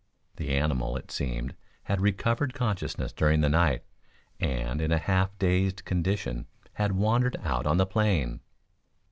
The animal, it seemed, had recovered consciousness during the night, and in a half dazed condition had wandered out on the plain.